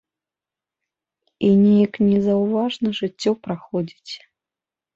І неяк незаўважна жыццё праходзіць.